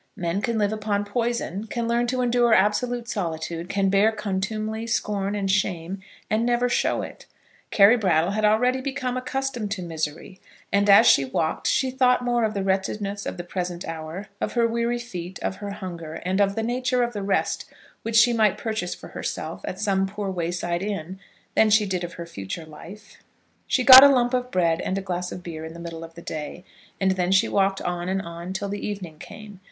Men can live upon poison, can learn to endure absolute solitude, can bear contumely, scorn, and shame, and never show it. Carry Brattle had already become accustomed to misery, and as she walked she thought more of the wretchedness of the present hour, of her weary feet, of her hunger, and of the nature of the rest which she might purchase for herself at some poor wayside inn, than she did of her future life. [Illustration: Carry Brattle.] She got a lump of bread and a glass of beer in the middle of the day, and then she walked on and on till the evening came.